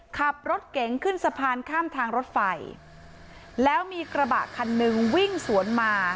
ขับรถเก๋งขึ้นสะพานข้ามทางรถไฟแล้วมีกระบะคันหนึ่งวิ่งสวนมา